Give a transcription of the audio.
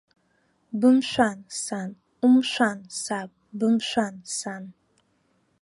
Бымшәан, сан, умшәан, саб, бымшәан, сан!